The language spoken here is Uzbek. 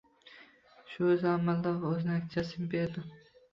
Shu o'zi amalda oʻz natijasini berdi.